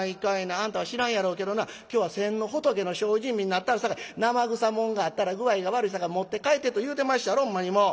あんたは知らんやろうけどな今日は先の仏の精進日になったるさかい生臭もんがあったら具合が悪いさかい持って帰ってと言うてまっしゃろほんまにもう。